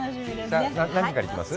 何から行きます？